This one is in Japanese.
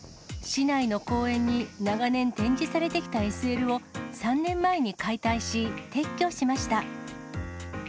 市内の公園に長年展示されてきたＳＬを、３年前に解体し、撤去しました。